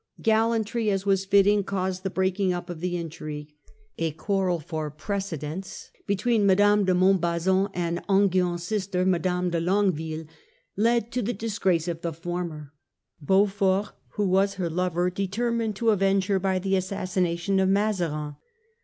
Gallantry, as was fitting, caused the breaking up of the intrigue. A quarrel for precedence between Mme. de Montbazon and Enghien's sister, Mme. de Longueville, led to the disgrace of the former. Beaufort, who was her lover, determined to avenge her by the assassination of Mazarin.